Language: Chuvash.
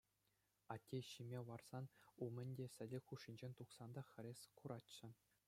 Атте ҫиме ларас умӗн те, сӗтел хушшинчен тухсан та хӗрес хуратчӗ.